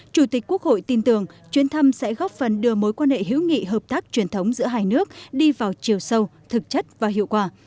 chủ tịch quốc hội tin tưởng chuyến thăm sẽ góp phần đưa mối quan hệ hữu nghị hợp tác truyền thống giữa hai nước đi vào chiều sâu thực chất và hiệu quả